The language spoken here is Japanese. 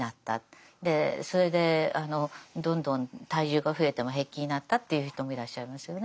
それでどんどん体重が増えても平気になったっていう人もいらっしゃいますよね。